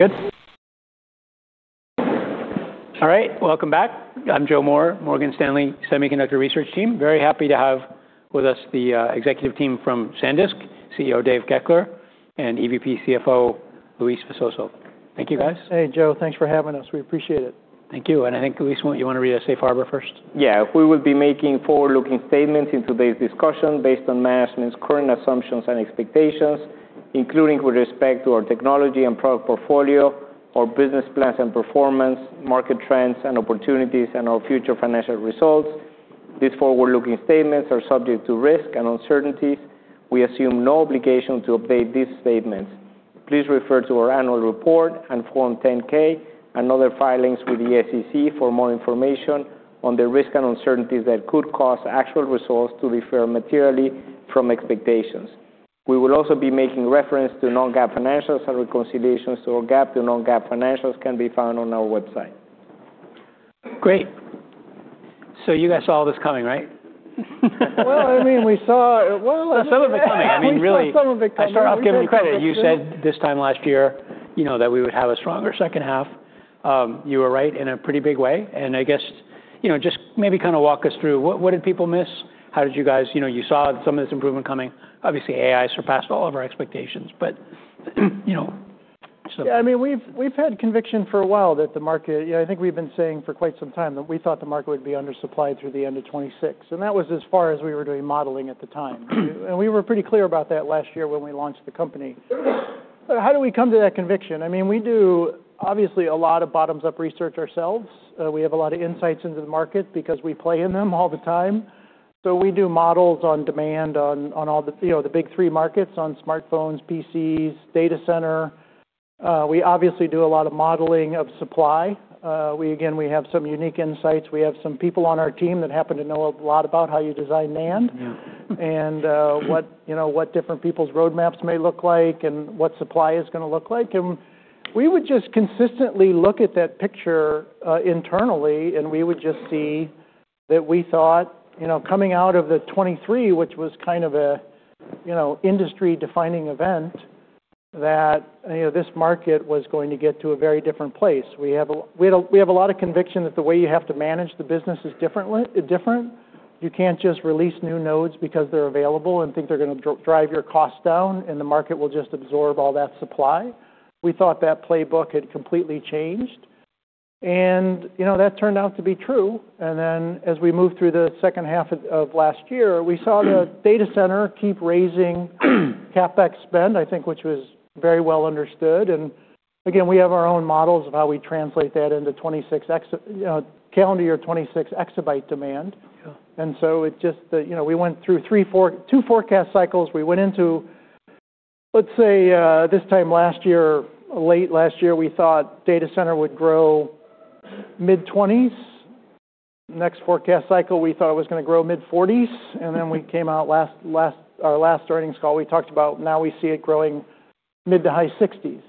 Good. All right, welcome back. I'm Joseph Moore, Morgan Stanley Semiconductor research team. Very happy to have with us the executive team from SanDisk, CEO David Goeckeler, and EVP CFO Wissam Jabre. Thank you, guys. Hey, Joe. Thanks for having us. We appreciate it. Thank you. I think, Wissam, won't you want to read a safe harbor first? Yeah. We will be making forward-looking statements in today's discussion based on management's current assumptions and expectations, including with respect to our technology and product portfolio, our business plans and performance, market trends and opportunities, and our future financial results. These forward-looking statements are subject to risk and uncertainties. We assume no obligation to update these statements. Please refer to our annual report and Form 10-K and other filings with the SEC for more information on the risks and uncertainties that could cause actual results to differ materially from expectations. We will also be making reference to non-GAAP financials and reconciliations to our GAAP to non-GAAP financials can be found on our website. Great. You guys saw all this coming, right? Well, I mean, Well, Some of it coming. I mean, really. We saw some of it coming. We saw some of it, too. I'll start off giving credit. You said this time last year, you know, that we would have a stronger second half. You were right in a pretty big way. I guess, you know, just maybe kind of walk us through what did people miss? You know, you saw some of this improvement coming. Obviously, AI surpassed all of our expectations. You know. I mean, we've had conviction for a while that the market. You know, I think we've been saying for quite some time that we thought the market would be undersupplied through the end of 2026, and that was as far as we were doing modeling at the time. We were pretty clear about that last year when we launched the company. How do we come to that conviction? I mean, we do obviously a lot of bottoms-up research ourselves. We have a lot of insights into the market because we play in them all the time. We do models on demand on all the, you know, the big three markets, on smartphones, PCs, data center. We obviously do a lot of modeling of supply. We again, we have some unique insights. We have some people on our team that happen to know a lot about how you design NAND. Yeah. What, you know, what different people's roadmaps may look like and what supply is gonna look like. We would just consistently look at that picture, internally, and we would just see that we thought, you know, coming out of 23, which was kind of a, you know, industry-defining event, that, you know, this market was going to get to a very different place. We have a lot of conviction that the way you have to manage the business is different. You can't just release new nodes because they're available and think they're gonna drive your costs down and the market will just absorb all that supply. We thought that playbook had completely changed. You know, that turned out to be true. As we moved through the second half of last year, we saw the data center keep raising CapEx spend, I think, which was very well understood. Again, we have our own models of how we translate that into you know, calendar year 2026 exabyte demand. Yeah. It just, the, you know, we went through two forecast cycles. We went into, let's say, this time last year, late last year, we thought data center would grow mid-20s. Next forecast cycle, we thought it was gonna grow mid-40s. Then we came out our last earnings call, we talked about now we see it growing mid to high 60s.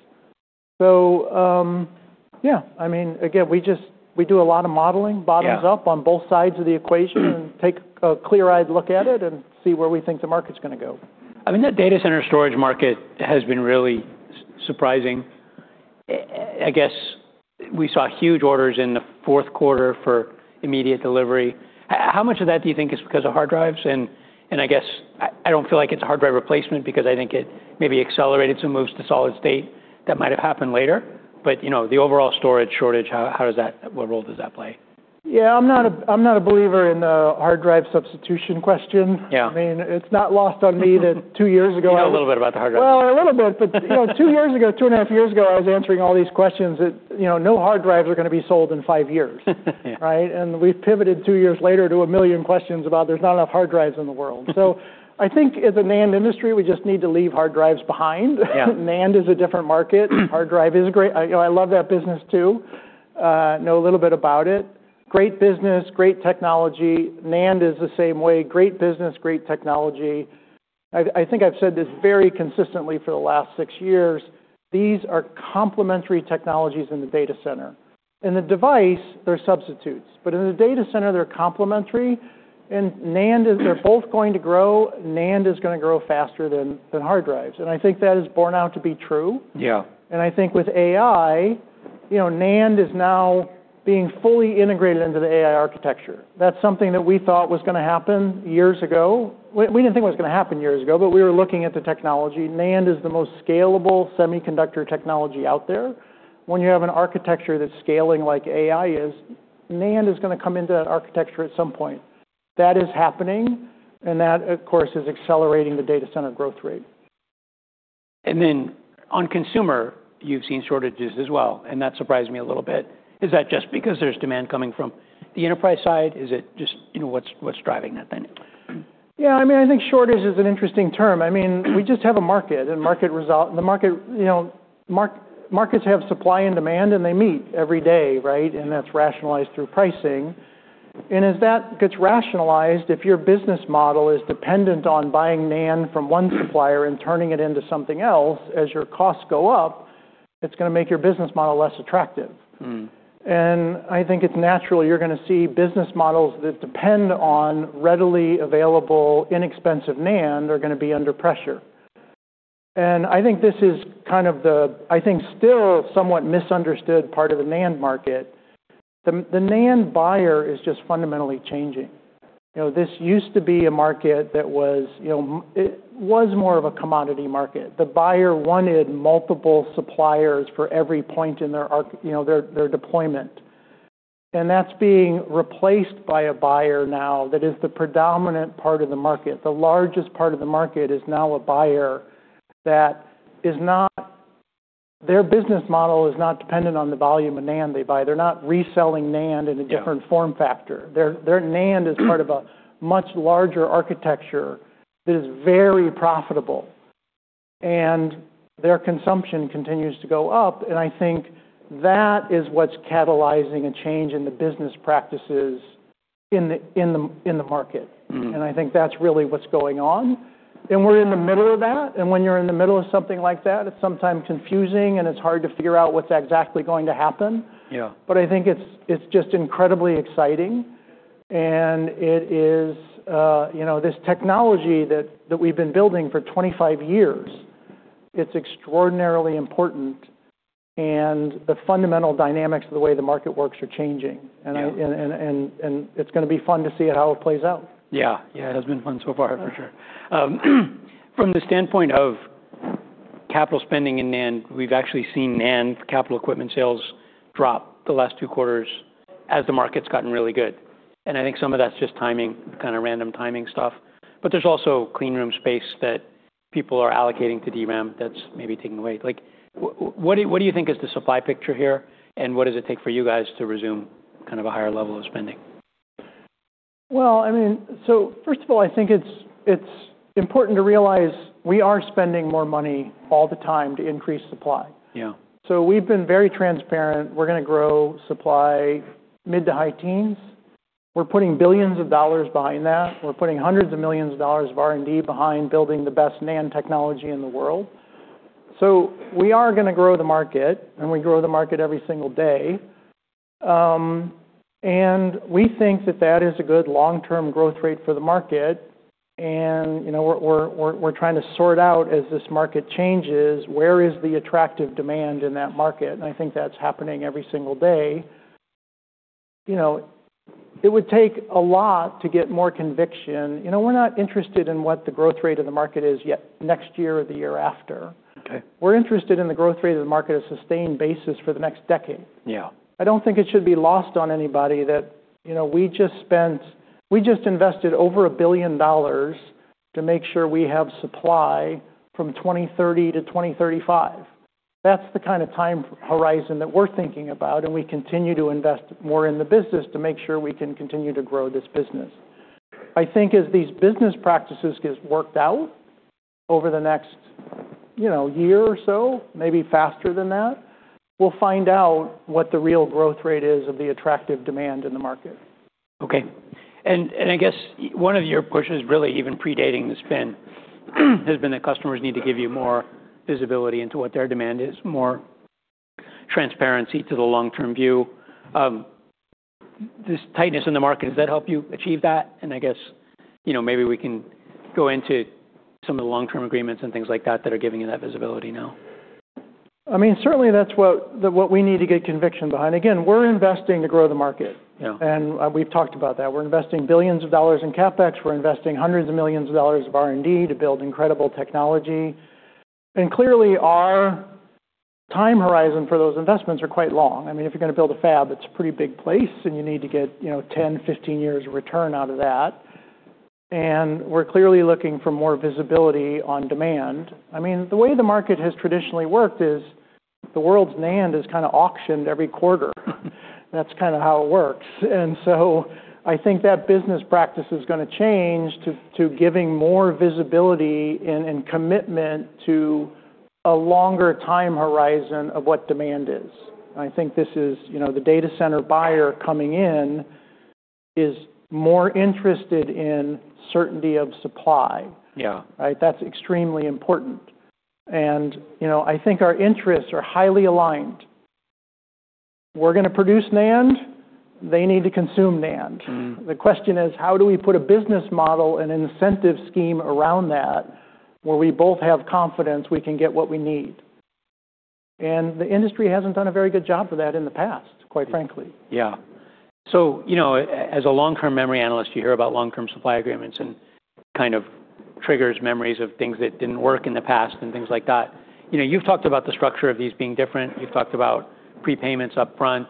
Yeah, I mean, again, we just-- we do a lot of modeling. Yeah... bottoms up on both sides of the equation, and take a clear-eyed look at it and see where we think the market's gonna go. I mean, that data center storage market has been really surprising. I guess we saw huge orders in the fourth quarter for immediate delivery. How much of that do you think is because of hard drives? I guess I don't feel like it's hard drive replacement because I think it maybe accelerated some moves to solid state that might have happened later. You know, the overall storage shortage, what role does that play? Yeah, I'm not a believer in the hard drive substitution question. Yeah. I mean, it's not lost on me that two years ago... You know a little bit about the hard drive. A little bit, but, you know, two years ago, two and a half years ago, I was answering all these questions that, you know, no hard drives are gonna be sold in five years. Yeah. Right? We've pivoted two years later to 1 million questions about there's not enough hard drives in the world. I think as a NAND industry, we just need to leave hard drives behind. Yeah. NAND is a different market. Hard drive is great. You know, I love that business, too. know a little bit about it. Great business, great technology. NAND is the same way. Great business, great technology. I think I've said this very consistently for the last six years, these are complementary technologies in the data center. In the device, they're substitutes, but in the data center they're complementary. NAND is. They're both going to grow. NAND is gonna grow faster than hard drives, and I think that has borne out to be true. Yeah. I think with AI, you know, NAND is now being fully integrated into the AI architecture. That's something that we thought was gonna happen years ago. We didn't think it was gonna happen years ago, but we were looking at the technology. NAND is the most scalable semiconductor technology out there. When you have an architecture that's scaling like AI is, NAND is gonna come into that architecture at some point. That is happening, and that, of course, is accelerating the data center growth rate. On consumer, you've seen shortages as well, and that surprised me a little bit. Is that just because there's demand coming from the enterprise side? Is it you know, what's driving that then? Yeah, I mean, I think shortage is an interesting term. I mean, we just have a market, and the market, you know, markets have supply and demand, and they meet every day, right? That's rationalized through pricing. As that gets rationalized, if your business model is dependent on buying NAND from one supplier and turning it into something else, as your costs go up, it's gonna make your business model less attractive. Mm-hmm. I think it's natural you're gonna see business models that depend on readily available, inexpensive NAND are gonna be under pressure. I think this is kind of the, I think, still somewhat misunderstood part of the NAND market. The NAND buyer is just fundamentally changing. You know, this used to be a market that was, you know, it was more of a commodity market. The buyer wanted multiple suppliers for every point in their arc... you know, their deployment. That's being replaced by a buyer now that is the predominant part of the market. The largest part of the market is now a buyer that is not. Their business model is not dependent on the volume of NAND they buy. They're not reselling NAND. Yeah... a different form factor. Their NAND is part of a much larger architecture that is very profitable, and their consumption continues to go up, and I think that is what's catalyzing a change in the business practices in the market. Mm-hmm. I think that's really what's going on. We're in the middle of that, and when you're in the middle of something like that, it's sometimes confusing, and it's hard to figure out what's exactly going to happen. Yeah. I think it's just incredibly exciting, and it is, you know, this technology that we've been building for 25 years, it's extraordinarily important, and the fundamental dynamics of the way the market works are changing. Yeah. It's gonna be fun to see how it plays out. Yeah. Yeah. It has been fun so far, for sure. From the standpoint of capital spending in NAND, we've actually seen NAND capital equipment sales drop the last two quarters as the market's gotten really good. I think some of that's just timing, kind of random timing stuff. There's also clean room space that people are allocating to DRAM that's maybe taking away. Like, what do you think is the supply picture here? What does it take for you guys to resume kind of a higher level of spending? Well, I mean, first of all, I think it's important to realize we are spending more money all the time to increase supply. Yeah. We've been very transparent. We're gonna grow supply mid to high teens. We're putting billions of dollars behind that. We're putting hundreds of millions of dollars of R&D behind building the best NAND technology in the world. We are gonna grow the market, and we grow the market every single day. We think that that is a good long-term growth rate for the market, and, you know, we're trying to sort out as this market changes, where is the attractive demand in that market? I think that's happening every single day. You know, it would take a lot to get more conviction. You know, we're not interested in what the growth rate of the market is yet next year or the year after. Okay. We're interested in the growth rate of the market, a sustained basis for the next decade. Yeah. I don't think it should be lost on anybody that, you know, we just invested over $1 billion to make sure we have supply from 2030 to 2035. That's the kind of time horizon that we're thinking about, and we continue to invest more in the business to make sure we can continue to grow this business. I think as these business practices gets worked out over the next, you know, year or so, maybe faster than that, we'll find out what the real growth rate is of the attractive demand in the market. I guess one of your pushes really even predating the spin has been that customers need to give you more visibility into what their demand is, more transparency to the long-term view. This tightness in the market, does that help you achieve that? I guess, you know, maybe we can go into some of the long-term agreements and things like that that are giving you that visibility now. I mean, certainly that's what we need to get conviction behind. We're investing to grow the market. Yeah. We've talked about that. We're investing billions of dollars in CapEx. We're investing hundreds of millions of dollars of R&D to build incredible technology. Clearly, our time horizon for those investments are quite long. I mean, if you're gonna build a fab, it's a pretty big place, and you need to get, you know, 10, 15 years of return out of that. We're clearly looking for more visibility on demand. I mean, the way the market has traditionally worked is the world's NAND is kinda auctioned every quarter. That's kinda how it works. I think that business practice is gonna change to giving more visibility and commitment to a longer time horizon of what demand is. I think this is, you know, the data center buyer coming in is more interested in certainty of supply. Yeah. Right? That's extremely important. You know, I think our interests are highly aligned. We're gonna produce NAND, they need to consume NAND. Mm-hmm. The question is, how do we put a business model and an incentive scheme around that where we both have confidence we can get what we need? The industry hasn't done a very good job of that in the past, quite frankly. You know, as a long-term memory analyst, you hear about long-term supply agreements, and kind of triggers memories of things that didn't work in the past and things like that. You know, you've talked about the structure of these being different. You've talked about prepayments upfront,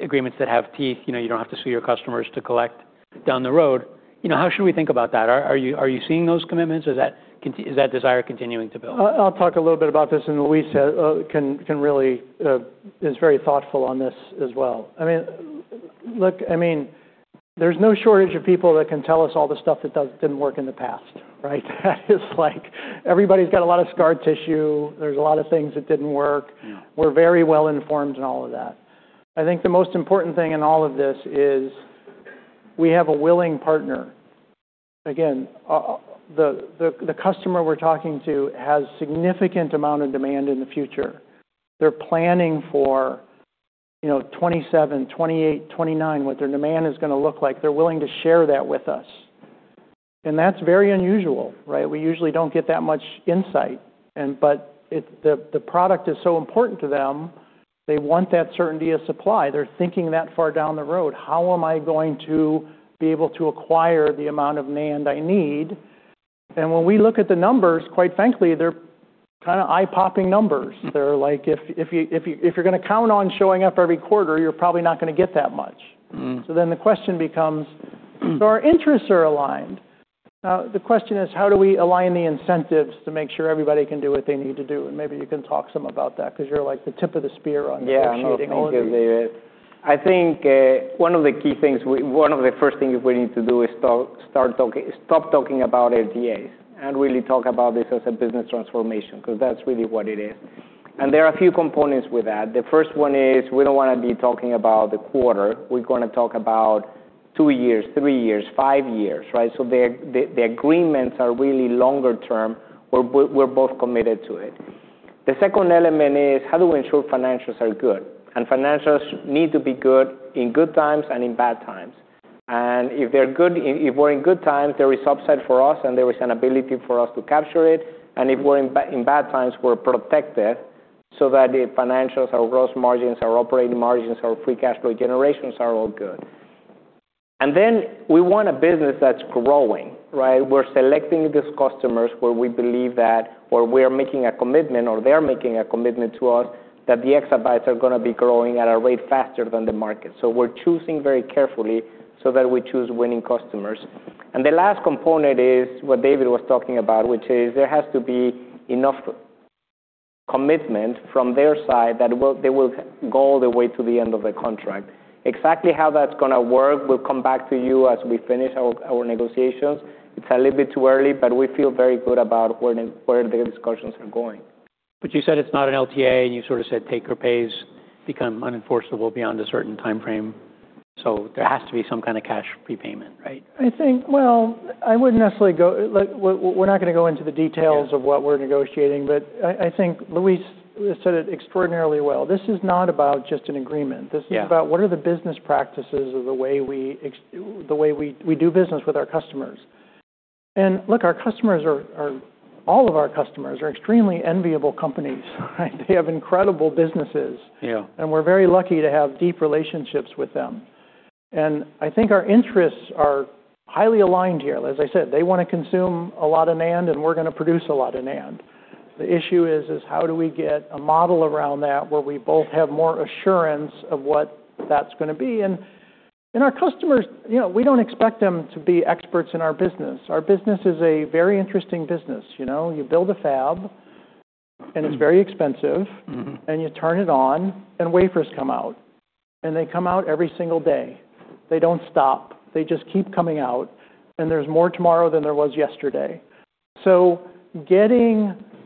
agreements that have teeth. You know, you don't have to sue your customers to collect down the road. You know, how should we think about that? Are you seeing those commitments, or is that desire continuing to build? I'll talk a little bit about this, and Wissam can really is very thoughtful on this as well. I mean, look, I mean, there's no shortage of people that can tell us all the stuff that didn't work in the past, right? It's like everybody's got a lot of scar tissue. There's a lot of things that didn't work. Yeah. We're very well informed in all of that. I think the most important thing in all of this is we have a willing partner. Again, the customer we're talking to has significant amount of demand in the future. They're planning for. You know, 2027, 2028, 2029, what their demand is gonna look like, they're willing to share that with us. That's very unusual, right? We usually don't get that much insight. The product is so important to them, they want that certainty of supply. They're thinking that far down the road, "How am I going to be able to acquire the amount of NAND I need?" When we look at the numbers, quite frankly, they're kinda eye-popping numbers. They're like, if you're gonna count on showing up every quarter, you're probably not gonna get that much. Mm. Our interests are aligned. The question is, how do we align the incentives to make sure everybody can do what they need to do? Maybe you can talk some about that 'cause you're like the tip of the spear on negotiating all of these. Yeah. Thank you, David. I think, one of the first things we need to do is stop talking about LTAs and really talk about this as a business transformation, 'cause that's really what it is. There are a few components with that. The first one is we don't wanna be talking about the quarter, we're gonna talk about two years, three years, five years, right? The agreements are really longer term, we're both committed to it. The second element is how do we ensure financials are good? Financials need to be good in good times and in bad times. If they're good if we're in good times, there is upside for us and there is an ability for us to capture it. If we're in bad times, we're protected so that the financials, our gross margins, our operating margins, our free cash flow generations are all good. We want a business that's growing, right? We're selecting these customers where we believe that or we're making a commitment or they're making a commitment to us that the exabytes are gonna be growing at a rate faster than the market. We're choosing very carefully so that we choose winning customers. The last component is what David was talking about, which is there has to be enough commitment from their side that they will go all the way to the end of the contract. Exactly how that's gonna work, we'll come back to you as we finish our negotiations. It's a little bit too early, but we feel very good about where the discussions are going. You said it's not an LTA, and you sort of said take-or-pays become unenforceable beyond a certain timeframe. There has to be some kind of cash prepayment, right? I think... Well, I wouldn't necessarily go... Like, we're not gonna go into the details. Yeah... of what we're negotiating, but I think Wissam said it extraordinarily well. This is not about just an agreement. Yeah. This is about what are the business practices or the way we do business with our customers. Look, our customers are all of our customers are extremely enviable companies, right? They have incredible businesses. Yeah. We're very lucky to have deep relationships with them. I think our interests are highly aligned here. As I said, they wanna consume a lot of NAND, and we're gonna produce a lot of NAND. The issue is how do we get a model around that where we both have more assurance of what that's gonna be? Our customers, you know, we don't expect them to be experts in our business. Our business is a very interesting business, you know? You build a fab, and it's very expensive. Mm-hmm. You turn it on, and wafers come out, and they come out every single day. They don't stop. They just keep coming out, and there's more tomorrow than there was yesterday.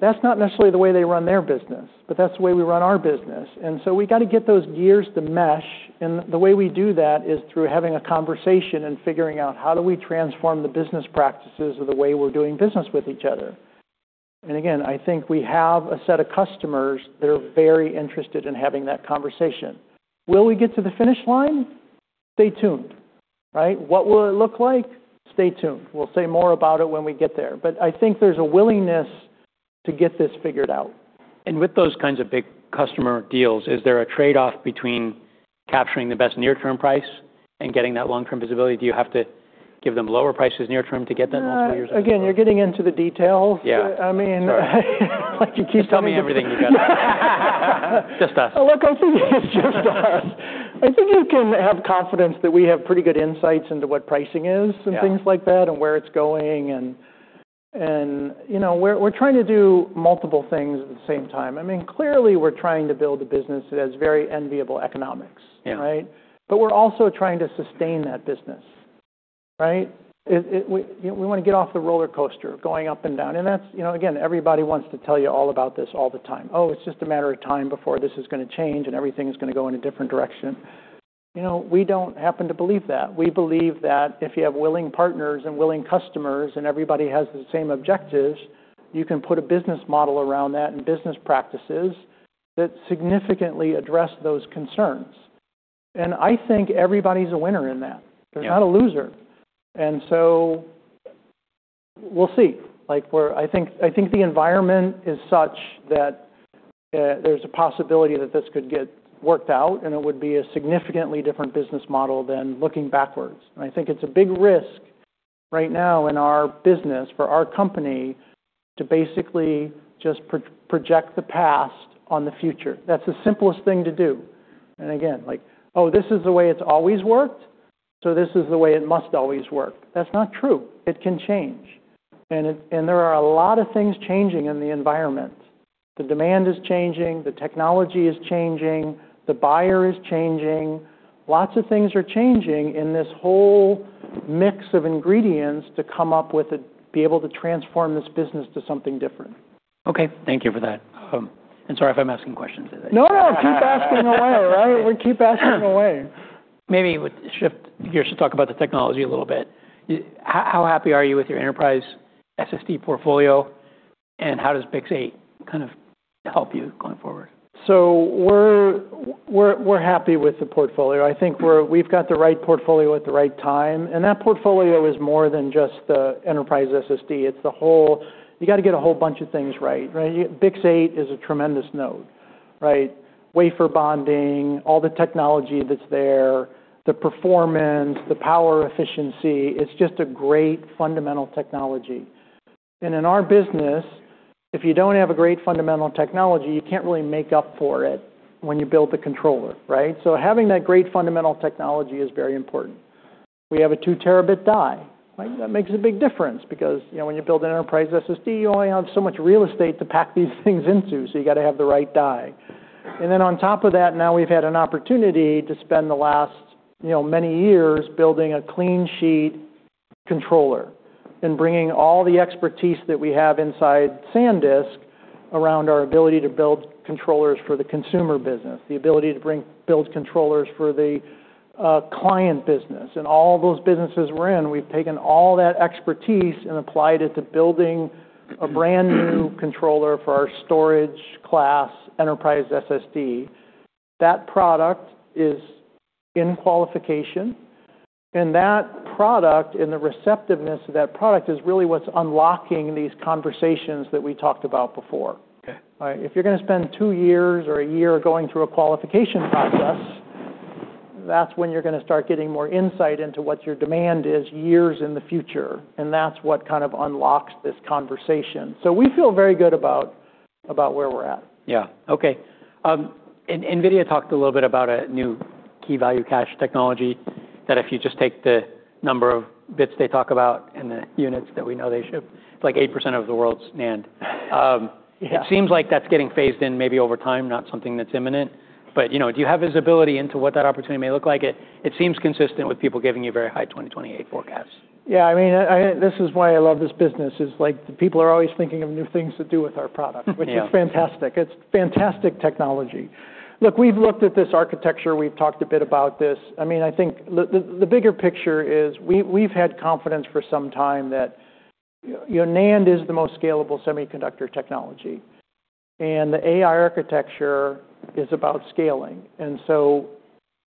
That's not necessarily the way they run their business, but that's the way we run our business. We gotta get those gears to mesh, and the way we do that is through having a conversation and figuring out how do we transform the business practices or the way we're doing business with each other. Again, I think we have a set of customers that are very interested in having that conversation. Will we get to the finish line? Stay tuned, right? What will it look like? Stay tuned. We'll say more about it when we get there. I think there's a willingness to get this figured out. With those kinds of big customer deals, is there a trade-off between capturing the best near-term price and getting that long-term visibility? Do you have to give them lower prices near-term to get them multiple years into? Again, you're getting into the details. Yeah. I mean. Sorry. Like you keep telling me. Just tell me everything you got. Just us. Look, I think it's just us. I think you can have confidence that we have pretty good insights into what pricing is... Yeah... and things like that and where it's going and, you know, we're trying to do multiple things at the same time. I mean, clearly we're trying to build a business that has very enviable economics. Yeah. Right? We're also trying to sustain that business, right? We, you know, we wanna get off the roller coaster of going up and down, and that's, you know, again, everybody wants to tell you all about this all the time. "Oh, it's just a matter of time before this is gonna change, and everything is gonna go in a different direction." You know, we don't happen to believe that. We believe that if you have willing partners and willing customers, and everybody has the same objectives, you can put a business model around that and business practices that significantly address those concerns. I think everybody's a winner in that. Yeah. There's not a loser. We'll see. Like, I think the environment is such that there's a possibility that this could get worked out, and it would be a significantly different business model than looking backwards. I think it's a big risk right now in our business for our company to basically just pro-project the past on the future. That's the simplest thing to do. Again, like, "Oh, this is the way it's always worked, so this is the way it must always work." That's not true. It can change. There are a lot of things changing in the environment. The demand is changing, the technology is changing, the buyer is changing. Lots of things are changing in this whole mix of ingredients to come up with be able to transform this business to something different. Okay, thank you for that. Sorry if I'm asking questions. No, no. Keep asking away, right? Keep asking away. Maybe we shift gears to talk about the technology a little bit. How happy are you with your enterprise SSD portfolio? How does BiCS8 kind of help you going forward? We're happy with the portfolio. I think we've got the right portfolio at the right time, and that portfolio is more than just the enterprise SSD. It's the whole. You got to get a whole bunch of things right? BiCS8 is a tremendous node, right? Wafer bonding, all the technology that's there, the performance, the power efficiency, it's just a great fundamental technology. In our business, if you don't have a great fundamental technology, you can't really make up for it when you build the controller, right? Having that great fundamental technology is very important. We have a 2Tb die, right? That makes a big difference because, you know, when you build an enterprise SSD, you only have so much real estate to pack these things into, so you got to have the right die. On top of that, now we've had an opportunity to spend the last, you know, many years building a clean sheet controller and bringing all the expertise that we have inside SanDisk around our ability to build controllers for the consumer business, the ability to build controllers for the client business, and all those businesses we're in. We've taken all that expertise and applied it to building a brand new controller for our storage class enterprise SSD. That product is in qualification. That product and the receptiveness of that product is really what's unlocking these conversations that we talked about before. Okay. All right? If you're gonna spend two years or a year going through a qualification process, that's when you're gonna start getting more insight into what your demand is years in the future, and that's what kind of unlocks this conversation. We feel very good about where we're at. Yeah. Okay. NVIDIA talked a little bit about a new Key-Value Cache technology, that if you just take the number of bits they talk about and the units that we know they ship, it's like 8% of the world's NAND. Yeah. It seems like that's getting phased in maybe over time, not something that's imminent. You know, do you have visibility into what that opportunity may look like? It seems consistent with people giving you very high 2028 forecasts. Yeah, I mean, This is why I love this business. It's like people are always thinking of new things to do with our product- Yeah. which is fantastic. It's fantastic technology. Look, we've looked at this architecture. We've talked a bit about this. I mean, I think the bigger picture is we've had confidence for some time that, you know, NAND is the most scalable semiconductor technology, the AI architecture is about scaling.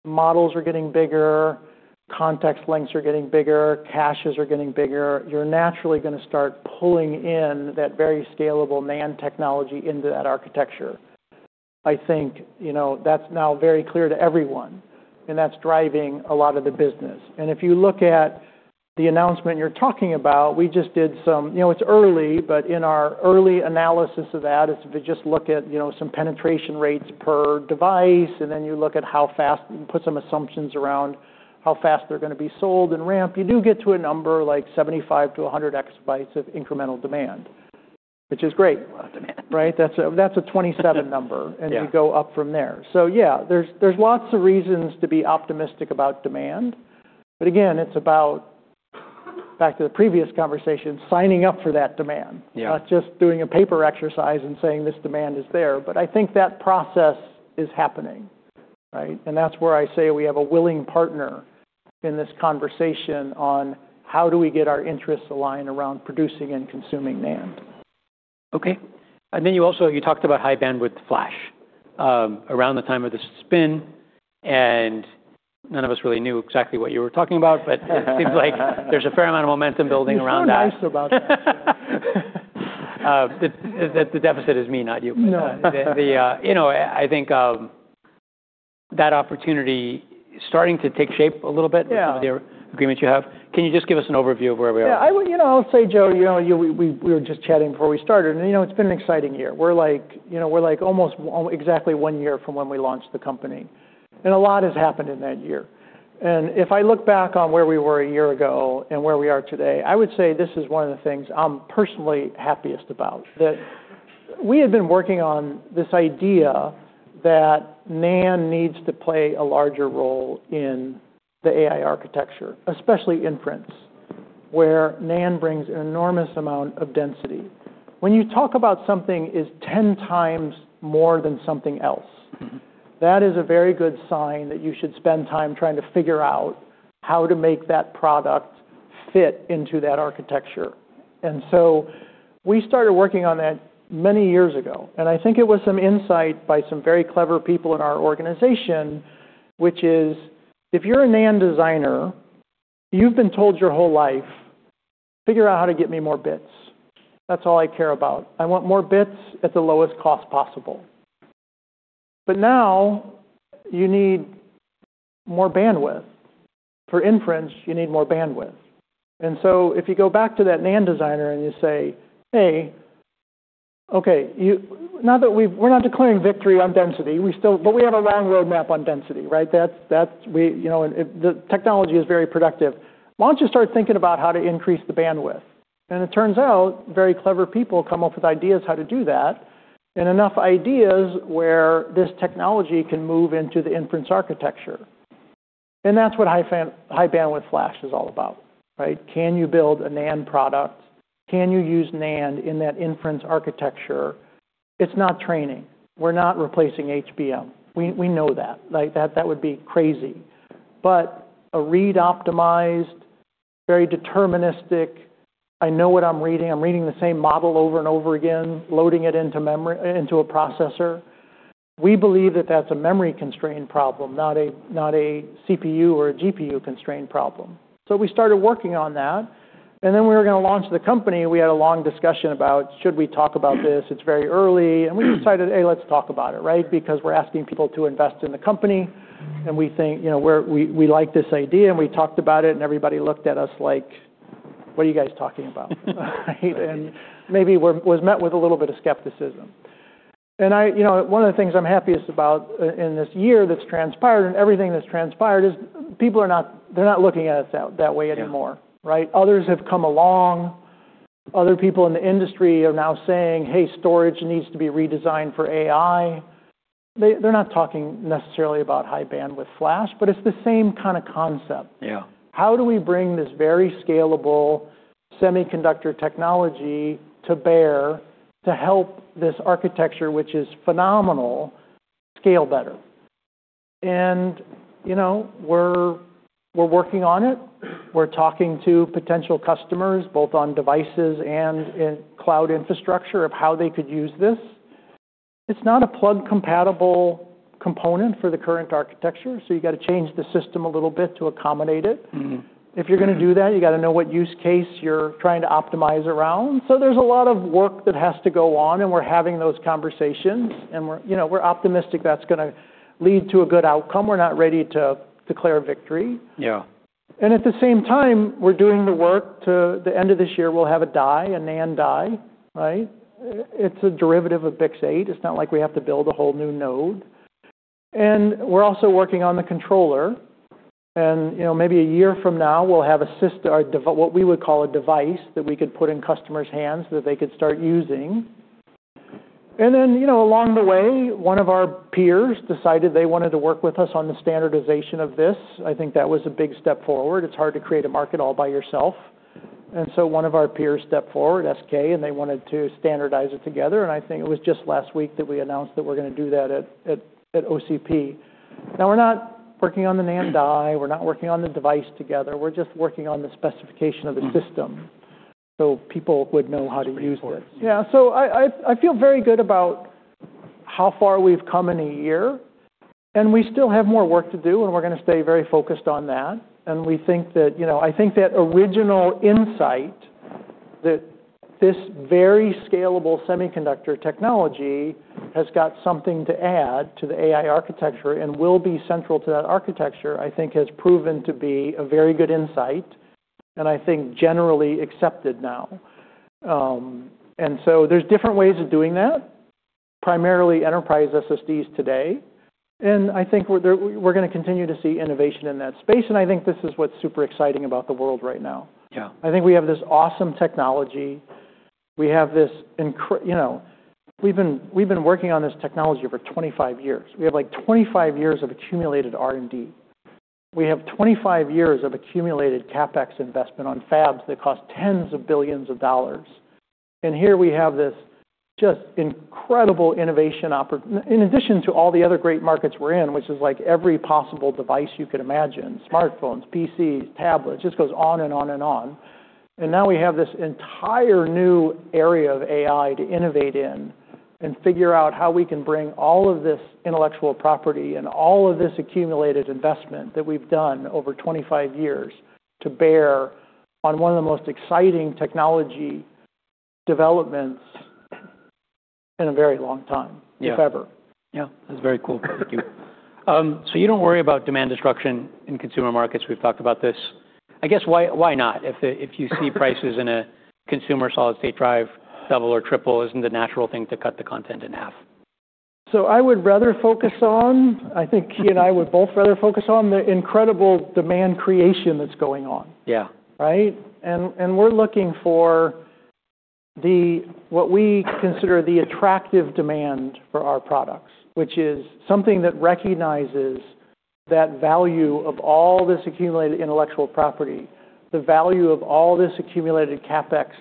Models are getting bigger, context lengths are getting bigger, caches are getting bigger. You're naturally gonna start pulling in that very scalable NAND technology into that architecture. I think, you know, that's now very clear to everyone, that's driving a lot of the business. If you look at the announcement you're talking about, we just did some... You know, it's early. In our early analysis of that, if you just look at, you know, some penetration rates per device, and then you look at how fast you put some assumptions around how fast they're gonna be sold and ramp, you do get to a number like 75-100 X bytes of incremental demand, which is great. A lot of demand. Right? That's a 27 number. Yeah. You go up from there. Yeah, there's lots of reasons to be optimistic about demand. Again, it's about, back to the previous conversation, signing up for that demand. Yeah. Not just doing a paper exercise and saying this demand is there. I think that process is happening, right? That's where I say we have a willing partner in this conversation on how do we get our interests aligned around producing and consuming NAND. Okay. You also, you talked about High-Bandwidth Flash, around the time of the spin, and none of us really knew exactly what you were talking about. It seems like there's a fair amount of momentum building around that. You were nice about that. The deficit is me, not you. No. The, you know, I think, that opportunity starting to take shape a little bit. Yeah. with the agreement you have. Can you just give us an overview of where we are? Yeah, you know, I'll say, Joe, you know, we were just chatting before we started, and, you know, it's been an exciting year. We're like, you know, we're like almost exactly one year from when we launched the company, and a lot has happened in that one year. If I look back on where we were one year ago and where we are today, I would say this is one of the things I'm personally happiest about. That we had been working on this idea that NAND needs to play a larger role in the AI architecture, especially inference, where NAND brings an enormous amount of density. When you talk about something is 10x more than something else- Mm-hmm. That is a very good sign that you should spend time trying to figure out how to make that product fit into that architecture. We started working on that many years ago, and I think it was some insight by some very clever people in our organization, which is, if you're a NAND designer, you've been told your whole life, "Figure out how to get me more bits. That's all I care about. I want more bits at the lowest cost possible." Now you need more bandwidth. For inference, you need more bandwidth. If you go back to that NAND designer and you say, "Hey, okay, we're not declaring victory on density. We have a long roadmap on density, right? That's, we, you know, the technology is very productive. Why don't you start thinking about how to increase the bandwidth?" It turns out very clever people come up with ideas how to do that, and enough ideas where this technology can move into the inference architecture. That's what High-Bandwidth Flash is all about, right? Can you build a NAND product? Can you use NAND in that inference architecture? It's not training. We're not replacing HBM. We know that. Like, that would be crazy. But a read optimized, very deterministic, I know what I'm reading, I'm reading the same model over and over again, loading it into a processor. We believe that that's a memory constraint problem, not a CPU or a GPU constraint problem. We started working on that, and then we were going to launch the company, we had a long discussion about should we talk about this? It's very early. We decided, hey, let's talk about it, right? Because we're asking people to invest in the company, and we think, you know, we like this idea, and we talked about it, and everybody looked at us like, "What are you guys talking about?" Maybe was met with a little bit of skepticism. I, you know, one of the things I'm happiest about in this year that's transpired and everything that's transpired is people are not looking at us that way anymore. Yeah. Right? Others have come along. Other people in the industry are now saying, "Hey, storage needs to be redesigned for AI." They're not talking necessarily about High-Bandwidth Flash, but it's the same kind of concept. Yeah. How do we bring this very scalable semiconductor technology to bear to help this architecture, which is phenomenal, scale better? You know, we're working on it. We're talking to potential customers, both on devices and in cloud infrastructure, of how they could use this. It's not a plug-compatible component for the current architecture. You got to change the system a little bit to accommodate it. Mm-hmm. If you're going to do that, you got to know what use case you're trying to optimize around. There's a lot of work that has to go on, and we're having those conversations, and we're, you know, we're optimistic that's gonna lead to a good outcome. We're not ready to declare victory. Yeah. At the same time, we're doing the work the end of this year, we'll have a die, a NAND die, right? It's a derivative of BiCS8. It's not like we have to build a whole new node. We're also working on the controller. You know, maybe a year from now, we'll have what we would call a device that we could put in customers' hands that they could start using. You know, along the way, one of our peers decided they wanted to work with us on the standardization of this. I think that was a big step forward. It's hard to create a market all by yourself. One of our peers stepped forward, SK, and they wanted to standardize it together. I think it was just last week that we announced that we're going to do that at OCP. We're not working on the NAND die. We're not working on the device together. We're just working on the specification of the system, so people would know how to use this. It's pretty important. Yeah. I feel very good about how far we've come in a year, and we still have more work to do, and we're going to stay very focused on that. We think that, you know, I think that original insight that this very scalable semiconductor technology has got something to add to the AI architecture and will be central to that architecture, I think has proven to be a very good insight, and I think generally accepted now. There's different ways of doing that, primarily enterprise SSDs today. I think we're going to continue to see innovation in that space, and I think this is what's super exciting about the world right now. Yeah. I think we have this awesome technology. We have this you know, we've been working on this technology for 25 years. We have, like, 25 years of accumulated R&D. We have 25 years of accumulated CapEx investment on fabs that cost tens of billions of dollars. Here we have this just incredible innovation in addition to all the other great markets we're in, which is, like, every possible device you could imagine, smartphones, PCs, tablets, just goes on and on and on. Now we have this entire new area of AI to innovate in and figure out how we can bring all of this intellectual property and all of this accumulated investment that we've done over 25 years to bear on one of the most exciting technology developments in a very long time. Yeah. If ever. Yeah. That's very cool. Thank you. You don't worry about demand disruption in consumer markets. We've talked about this. I guess why not? If you see prices in a consumer solid-state drive double or triple, isn't the natural thing to cut the content in half? I would rather focus on, I think Kioxia and I would both rather focus on the incredible demand creation that's going on. Yeah. Right? We're looking for the, what we consider the attractive demand for our products, which is something that recognizes that value of all this accumulated intellectual property, the value of all this accumulated CapEx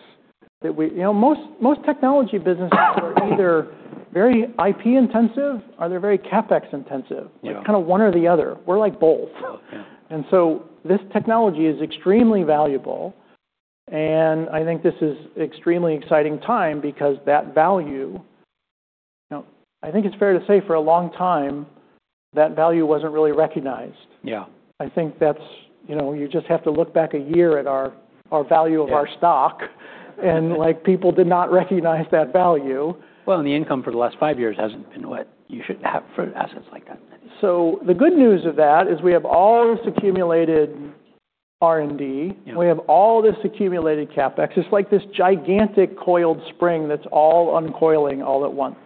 that we. You know, most technology businesses are either very IP intensive or they're very CapEx intensive. Yeah. Like, kind of one or the other. We're like both. Yeah. This technology is extremely valuable, and I think this is extremely exciting time because that value, you know, I think it's fair to say for a long time, that value wasn't really recognized. Yeah. I think that's, you know, you just have to look back a year at our value of our stock. Yeah. Like, people did not recognize that value. Well, the income for the last five years hasn't been what you should have for assets like that. The good news of that is we have all this accumulated R&D. Yeah. We have all this accumulated CapEx. It's like this gigantic coiled spring that's all uncoiling all at once.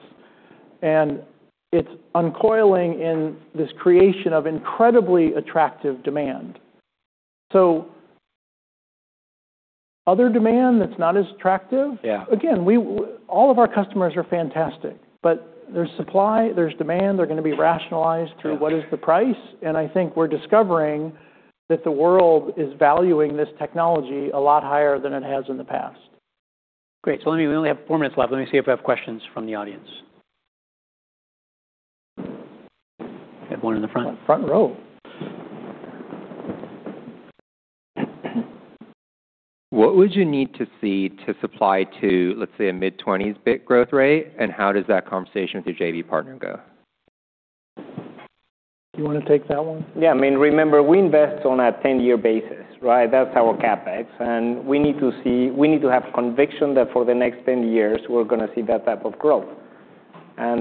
It's uncoiling in this creation of incredibly attractive demand. Other demand that's not as attractive. Yeah. All of our customers are fantastic, but there's supply, there's demand, they're going to be rationalized through what is the price, and I think we're discovering that the world is valuing this technology a lot higher than it has in the past. Great. We only have four minutes left. Let me see if I have questions from the audience. Had one in the front row. What would you need to see to supply to, let's say, a mid-twenties bit growth rate, and how does that conversation with your JV partner go? Do you wanna take that one? I mean, remember, we invest on a 10-year basis, right? That's our CapEx, we need to have conviction that for the next 10 years we're gonna see that type of growth.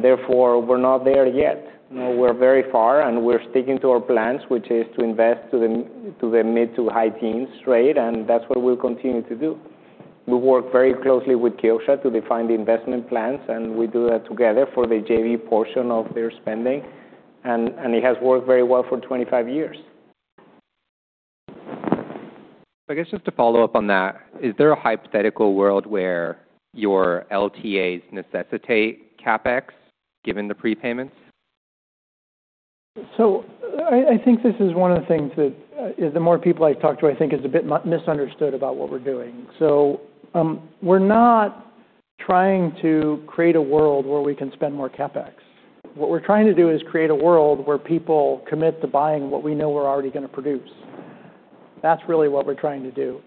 Therefore, we're not there yet. You know, we're very far, and we're sticking to our plans, which is to invest to the mid to high teens rate, and that's what we'll continue to do. We work very closely with Kioxia to define the investment plans, and we do that together for the JV portion of their spending and it has worked very well for 25 years. I guess just to follow up on that, is there a hypothetical world where your LTAs necessitate CapEx given the prepayments? I think this is one of the things that the more people I talk to, I think, is a bit misunderstood about what we're doing. We're not trying to create a world where we can spend more CapEx. What we're trying to do is create a world where people commit to buying what we know we're already gonna produce. That's really what we're trying to do.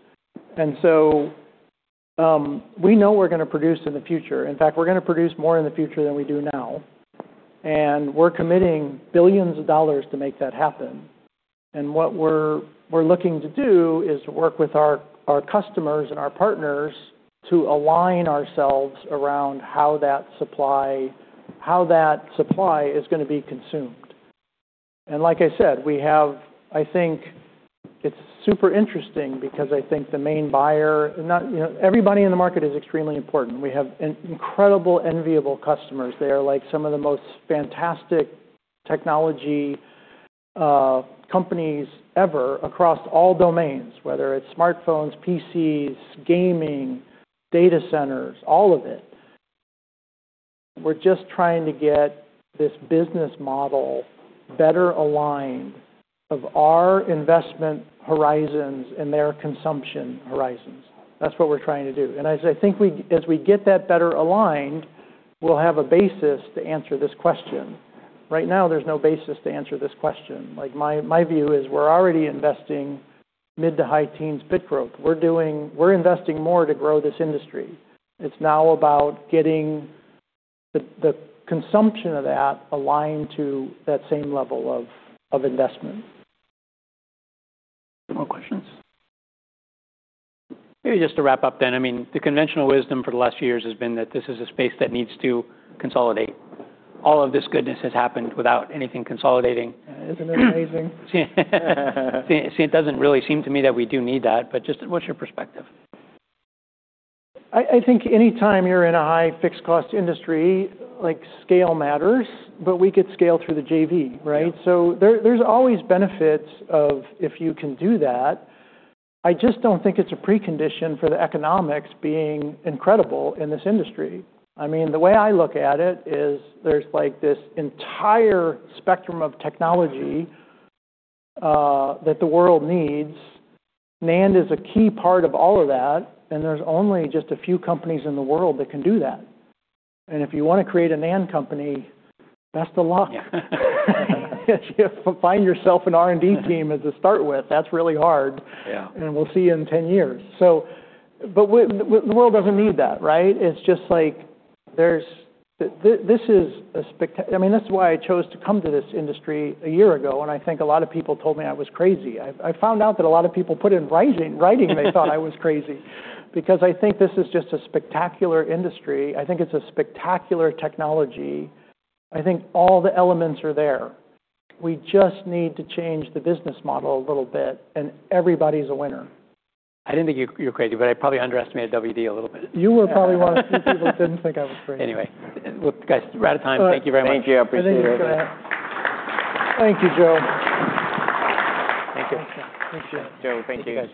We know we're gonna produce in the future. In fact, we're gonna produce more in the future than we do now, and we're committing billions of dollars to make that happen. What we're looking to do is work with our customers and our partners to align ourselves around how that supply is gonna be consumed. Like I said, we have I think it's super interesting because I think the main buyer, not, you know Everybody in the market is extremely important. We have incredible, enviable customers. They are like some of the most fantastic technology companies ever across all domains, whether it's smartphones, PCs, gaming, data centers, all of it. We're just trying to get this business model better aligned of our investment horizons and their consumption horizons. That's what we're trying to do. As I think we as we get that better aligned, we'll have a basis to answer this question. Right now, there's no basis to answer this question. Like my view is we're already investing mid to high teens bit growth. We're investing more to grow this industry. It's now about getting the consumption of that aligned to that same level of investment. Any more questions? Maybe just to wrap up. I mean, the conventional wisdom for the last few years has been that this is a space that needs to consolidate. All of this goodness has happened without anything consolidating. Isn't it amazing? It doesn't really seem to me that we do need that, but just what's your perspective? I think any time you're in a high fixed cost industry, like scale matters, but we could scale through the JV, right? Yeah. There's always benefits of if you can do that. I just don't think it's a precondition for the economics being incredible in this industry. I mean, the way I look at it is there's like this entire spectrum of technology that the world needs. NAND is a key part of all of that, and there's only just a few companies in the world that can do that. If you wanna create a NAND company, best of luck. Yeah. If you find yourself an R&D team as a start with, that's really hard. Yeah. We'll see you in 10 years. The world doesn't need that, right? It's just like this is a spectac-- I mean, this is why I chose to come to this industry a year ago, and I think a lot of people told me I was crazy. I found out that a lot of people put in writing they thought I was crazy because I think this is just a spectacular industry. I think it's a spectacular technology. I think all the elements are there. We just need to change the business model a little bit, and everybody's a winner. I didn't think you were crazy, but I probably underestimated WD a little bit. You were probably one of the few people that didn't think I was crazy. Look, guys, we're out of time. Thank you very much. Thank you. I appreciate it. Thank you, Joe. Thank you. Appreciate it. Joe, thank you guys.